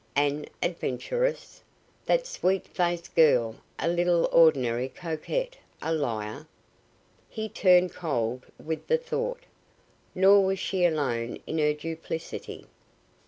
An adventuress! That sweet faced girl a little ordinary coquette, a liar? He turned cold with the thought. Nor was she alone in her duplicity.